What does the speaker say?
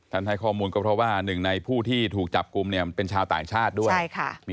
ให้ข้อมูลก็เพราะว่าหนึ่งในผู้ที่ถูกจับกลุ่มเนี่ยเป็นชาวต่างชาติด้วย